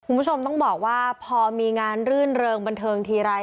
คุณผู้ชมต้องบอกว่าพอมีงานรื่นเริงบันเทิงทีไร